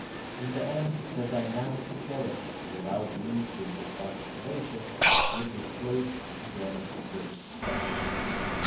In the end the dynamic skeleton, without losing its articulation, would be clothed again with its flesh.